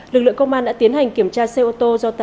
lực lượng công an đã tiến hành kiểm tra xe ô tô